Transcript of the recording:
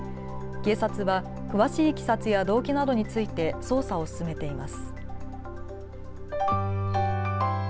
警察は詳しいいきさつや動機などについて捜査を進めています。